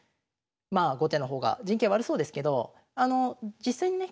まあ後手の方が陣形悪そうですけど実際にね